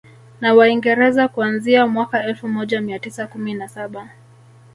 Na Waingereza kuanzia mwaka elfu moja mia tisa kumi na saba